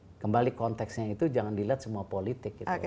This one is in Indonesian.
karena kembali konteksnya itu jangan dilihat semua politik gitu